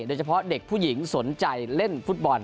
โดยเฉพาะเด็กผู้หญิงสนใจเล่นฟุตบอล